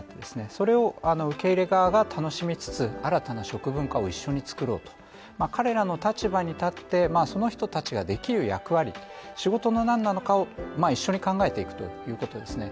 それを受け入れ側が楽しみつつ、新たな食文化を一緒に作ろうと彼らの立場に立ってその人たちができる役割、仕事が何なのかを一緒に考えていくということですね。